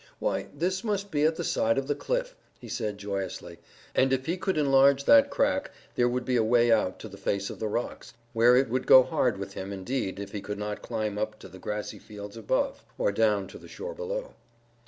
"Why, this must be at the side of the cliff," he said joyously; and if he could enlarge that crack there would be a way out to the face of the rocks, where it would go hard with him indeed if he could not climb up to the grassy fields above, or down to the shore below.